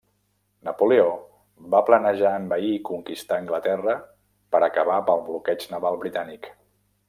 Napoleó va planejar envair i conquistar Anglaterra per acabar amb el bloqueig naval britànic.